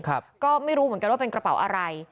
ก็ไม่รู้เหมือนกันว่าเป็นกระเป๋าอะไร